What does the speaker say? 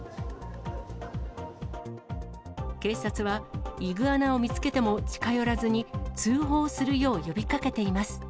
警察はイグアナを見つけても近寄らずに、通報するよう呼びかけています。